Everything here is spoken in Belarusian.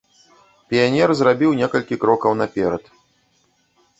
Піянер зрабіў некалькі крокаў наперад.